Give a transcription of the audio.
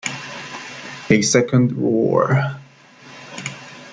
A second roar.